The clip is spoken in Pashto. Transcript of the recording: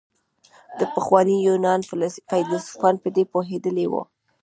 د پخواني يونان فيلسوفان په دې پوهېدلي وو.